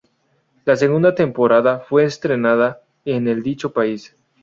La segunda temporada fue estrenada el en dicho país.